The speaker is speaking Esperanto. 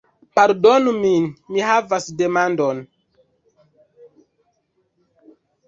Pardonu min, mi havas demandon